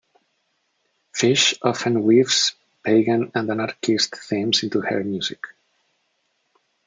Fish often weaves Pagan and anarchist themes into her music.